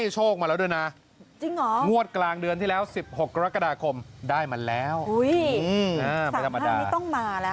จริง